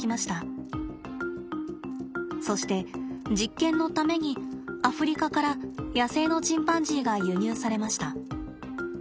そして実験のためにアフリカから野生のチンパンジーが輸入されました。